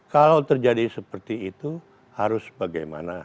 kalau terjadi seperti itu harus bagaimana